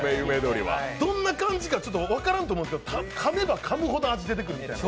どんな感じか分からんと思いますけど、かめばかむほど味が出てくる。